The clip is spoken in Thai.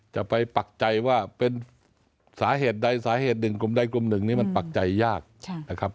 จะไปปักใจว่าเป็นสาเหตุใดสาเหตุหนึ่งกลุ่มใดกลุ่มหนึ่งนี่มันปักใจยากนะครับ